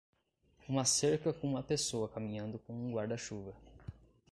Uma cerca com uma pessoa caminhando com um guarda-chuva